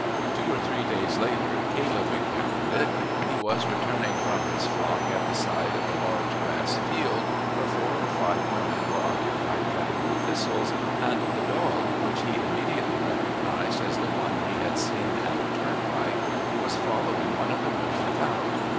Two or three days later Caleb encountered it. He was returning from his flock at the side of a large grass field where four or five women were occupied cutting the thistles, and the dog, which he immediately recognized as the one he had seen at the turnpike, was following one of the women about.